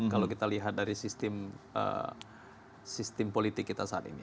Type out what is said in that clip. kalau kita lihat dari sistem politik kita saat ini